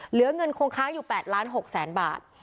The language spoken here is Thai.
เหลือเงินคงค้างอยู่๘๖๐๐๐บาท